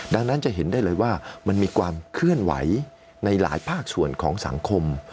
ดังนั้นจะเห็นได้เลยว่ามันมีความเคลื่อนไหวในหลายภาคส่วนของสังคม